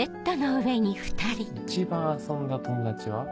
一番遊んだ友達は？